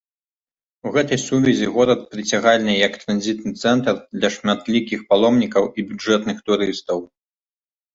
У гэтай сувязі горад прыцягальны як транзітны цэнтр для шматлікіх паломнікаў і бюджэтных турыстаў.